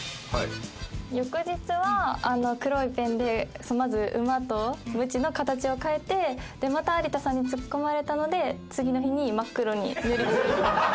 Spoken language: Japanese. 「翌日は黒いペンでまず馬とムチの形を変えてまた有田さんにツッコまれたので次の日に真っ黒に塗り潰した」。